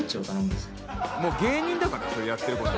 もう芸人だからねそれやってる事。